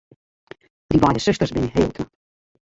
Dy beide susters binne heel knap.